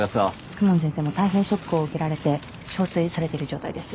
公文先生も大変ショックを受けられてしょうすいされてる状態です